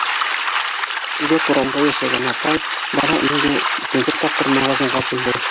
Үҙәк урамда йәшәгән апай бына инде икенсе тапҡыр магазинға килде.